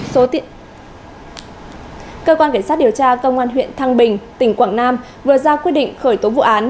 cơ quan cảnh sát điều tra công an huyện thăng bình tỉnh quảng nam vừa ra quyết định khởi tố vụ án